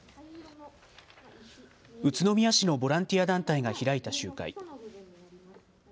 宇都宮市のボランティア団体が開いた集会。